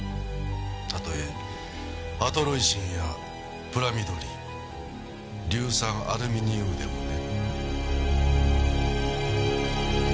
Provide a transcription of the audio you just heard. たとえアトロイシンやプラミドリン硫酸アルミニウムでもね。